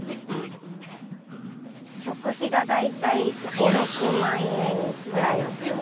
食費が大体５６万円ぐらいですかね。